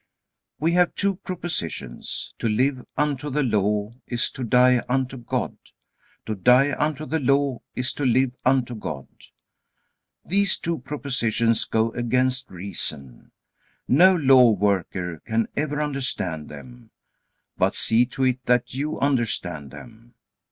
We have two propositions: To live unto the Law, is to die unto God. To die unto the Law, is to live unto God. These two propositions go against reason. No law worker can ever understand them. But see to it that you understand them.